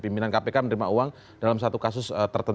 pimpinan kpk menerima uang dalam satu kasus tertentu